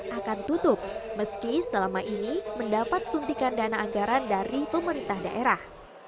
radio dan tv lokal daerah akan tutup meski selama ini mendapat suntikan dana anggaran dari pemerintah daerah